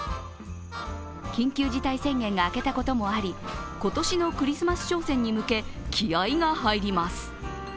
緊急事態宣言が明けたこともあり、今年のクリスマス商戦に向け気合いが入ります。